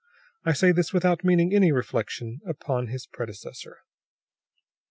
I say this without meaning any reflection upon his predecessor."